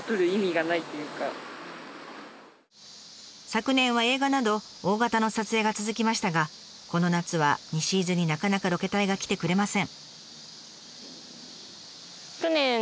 昨年は映画など大型の撮影が続きましたがこの夏は西伊豆になかなかロケ隊が来てくれません。